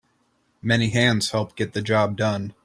Many hands help get the job done.